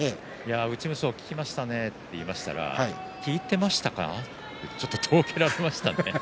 内無双、効きましたねと言いましたら効いていました？ととぼけられましたね。